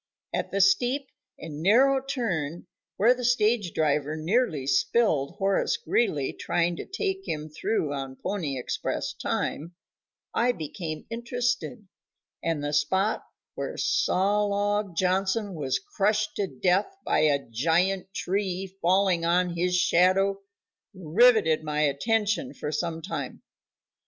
At the steep and narrow turn where the stage driver nearly spilled Horace Greeley trying to take him through on pony express time, I became interested, and the spot where Sawlog Johnson was crushed to death by a giant tree falling on his shadow riveted my attention for some time.